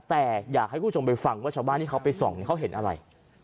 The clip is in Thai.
แต่อยากให้คุณผู้ชมไปฟังว่าชาวบ้านที่เขาไปส่องเขาเห็นอะไร